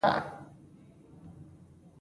مړه د همدردۍ سترګه وه